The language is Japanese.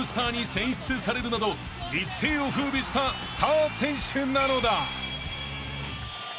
選出されるなど一世を風靡したスター選手なのだ］